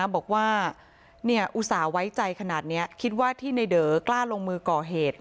ด้วยนะบอกว่าเนี่ยอุตส่าห์ไว้ใจขนาดเนี้ยคิดว่าที่ในเดอร์กล้าลงมือก่อเหตุ